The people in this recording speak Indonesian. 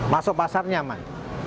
masuk pasar nyaman